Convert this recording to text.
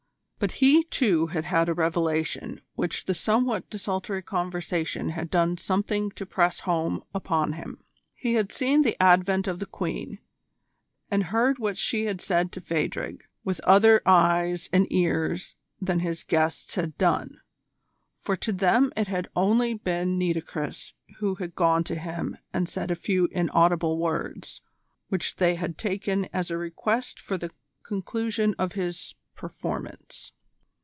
But he, too, had had a revelation which the somewhat desultory conversation had done something to press home upon him. He had seen the advent of the Queen, and heard what she had said to Phadrig with other eyes and ears than his guests had done, for to them it had only been Nitocris who had gone to him and said a few inaudible words, which they had taken as a request for the conclusion of his "performance."